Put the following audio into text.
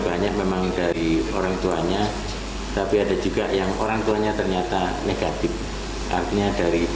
banyak memang dari orang tuanya tapi ada juga yang orang tuanya ternyata negatif artinya dari